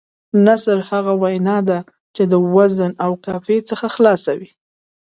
نثر هغه وینا ده، چي د وزن او قافيې څخه خلاصه وي.